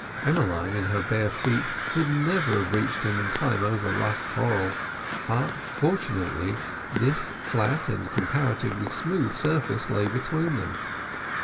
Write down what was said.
Emmeline in her bare feet could never have reached him in time over rough coral, but, fortunately, this flat and comparatively smooth surface lay between them.